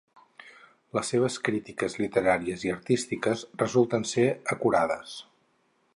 Les seves crítiques literàries i artístiques resulten ser acurades.